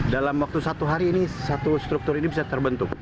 dalam waktu satu hari ini satu struktur ini bisa terbentuk